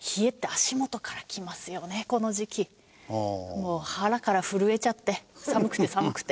もう腹から震えちゃって寒くて寒くて。